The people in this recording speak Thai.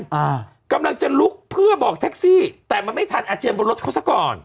อ่ากำลังจะลุกเพื่อบอกแท็กซี่แต่มันไม่ทันอาเจียนบนรถเขาซะก่อน